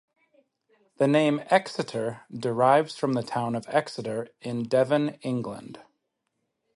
The name Exeter derives from the town of Exeter in Devon, England.